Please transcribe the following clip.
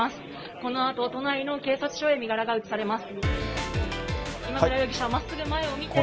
このあと、都内の警察署へ身柄が移されます。